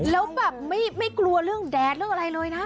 แล้วแบบไม่กลัวเรื่องแดดเรื่องอะไรเลยนะ